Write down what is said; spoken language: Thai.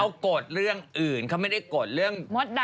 เขากดเรื่องอื่นเขาไม่ได้กดเรื่อง